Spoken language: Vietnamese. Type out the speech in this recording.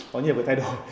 có nhiều cái thay đổi